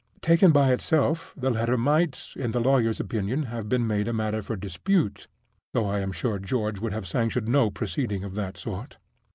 Taken by itself, the letter might, in the lawyer's opinion, have been made a matter for dispute, though I am sure George would have sanctioned no proceeding of that sort.